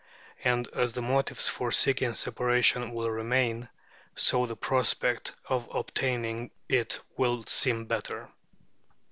And as the motives for seeking separation will remain, so the prospect of obtaining it will seem better.